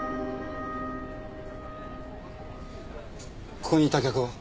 ここにいた客は？